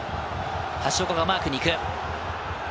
橋岡がマークに行く。